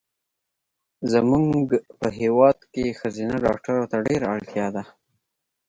زمونږ په هېواد کې ښځېنه ډاکټرو ته ډېره اړتیا ده